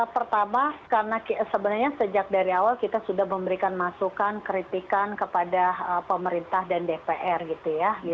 pertama karena sebenarnya sejak dari awal kita sudah memberikan masukan kritikan kepada pemerintah dan dpr gitu ya